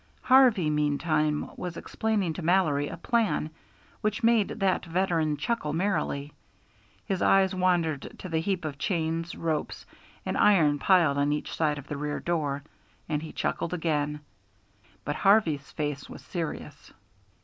Harvey, meantime, was explaining to Mallory a plan which made that veteran chuckle merrily. His eyes wandered to the heap of chains, ropes, and iron piled on each side of the rear door, and he chuckled again. But Harvey's face was serious.